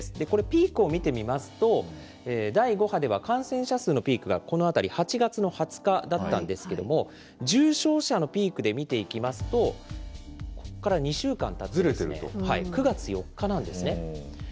これ、ピークを見てみますと、第５波では感染者数のピークがこの辺り、８月の２０日だったんですけれども、重症者のピークで見ていきますと、ここから２週間、９月４日なんですね。